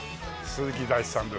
鈴木大地さんです。